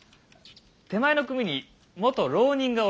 手前の組に元浪人がおりまする。